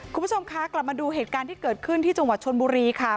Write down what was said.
คุณผู้ชมคะกลับมาดูเหตุการณ์ที่เกิดขึ้นที่จังหวัดชนบุรีค่ะ